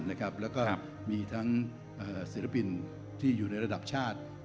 แล้วก็มีทั้งศิลปินที่อยู่ในระดับชาติ